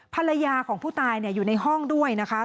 ภรรยาของผู้ตายอยู่ในห้องด้วยนะคะ